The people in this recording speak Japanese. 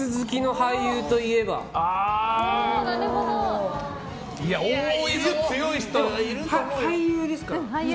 俳優ですから。